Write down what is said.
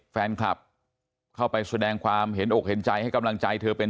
แฟนคลับเข้าไปแสดงความเห็นอกเห็นใจให้กำลังใจเธอเป็น